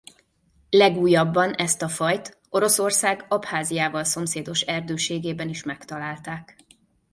Legújabban ezt a fajt Oroszország Abháziával szomszédos erdőségében is megtalálták.